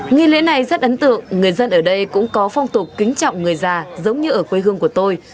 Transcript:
nghi lễ này rất ấn tượng người dân ở đây cũng có phong tục kính trọng người già giống như ở quê hương của tôi